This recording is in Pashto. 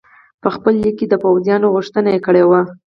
په خپل لیک کې دې د پوځونو غوښتنه کړې وه.